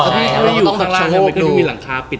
พี่อยู่ข้างลลานไม่มีหลังคาปิด